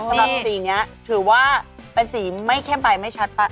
สำหรับสีนี้ถือว่าเป็นสีไม่เข้มไปไม่ชัดไป